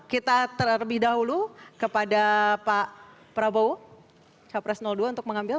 kita terlebih dahulu kepada pak prabowo capres dua untuk mengambil